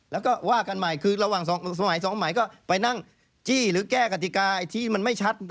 แล้วก็ว่ากันใหม่คือระหว่างสมัยสองสมัยก็ไปนั่งจี้หรือแก้กติกาที่มันไม่ชัด